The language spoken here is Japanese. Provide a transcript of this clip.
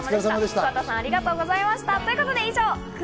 桑田さん、ありがとうございました。